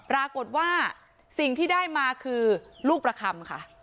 ปรากฏว่าสิ่งที่ได้มาคือลูกประคำค่ะ